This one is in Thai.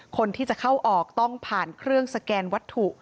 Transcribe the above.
คนที่จะเข้าออกต้องผ่านเครื่องสแกนวัตถุ